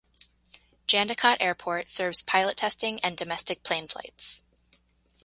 Jandakot Airport serves pilot testing and domestic plane flights.